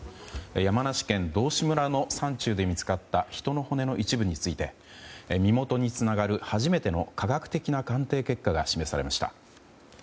山梨県道志村の山中で見つかった人の骨の一部について身元につながる初めての科学的な鑑定結果が示されました。